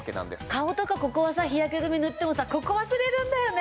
顔とかここはさ日焼け止め塗ってもさここ忘れるんだよね。